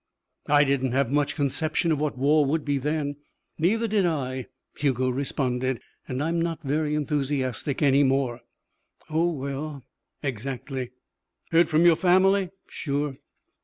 "I didn't have much conception of what war would be then." "Neither did I," Hugo responded. "And I'm not very enthusiastic any more." "Oh, well " "Exactly." "Heard from your family?" "Sure."